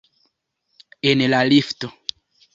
En la lifto.